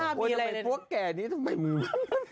แม่แก่นี้ทำไมมึง